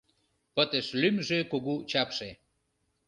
Пытыш лӱмжӧ, кугу чапше